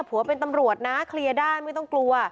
ผัวเป็นตำรวจนะเคลียร์ได้ไม่ต้องกลัว